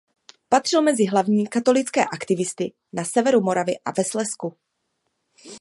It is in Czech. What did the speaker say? Patřil mezi hlavní katolické aktivisty na severu Moravy a ve Slezsku.